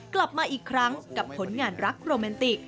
กลับมาอีกครั้งกับผลงานรักโรแมนติก